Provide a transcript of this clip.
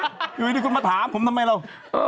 อยู่ดีคุณมาถามผมทำไมเรา